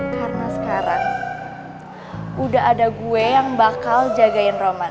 karena sekarang udah ada gue yang bakal jagain roman